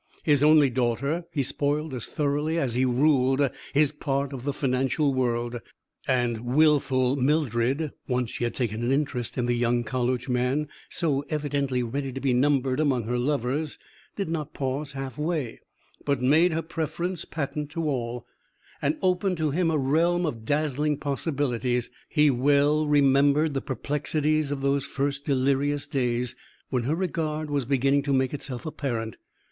His only daughter he spoiled as thoroughly as he ruled his part of the financial world, and wilful Mildred, once she had taken an interest in the young college man so evidently ready to be numbered among her lovers, did not pause half way, but made her preference patent to all, and opened to him a realm of dazzling possibilities. He well remembered the perplexities of those first delirious days when her regard was beginning to make itself apparent.